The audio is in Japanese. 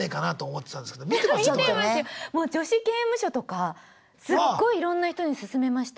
もう「女子刑務所」とかすっごいいろんな人に勧めました。